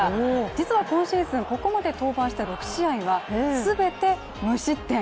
実は今シーズン、ここまで登板した６試合は全て無失点。